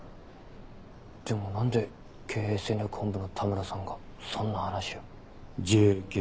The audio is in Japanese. でも何で経営戦略本部の田村さんがそんな話を？